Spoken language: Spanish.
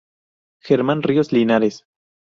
Germán Ríos Linares.